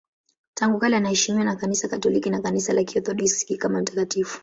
Tangu kale anaheshimiwa na Kanisa Katoliki na Kanisa la Kiorthodoksi kama mtakatifu.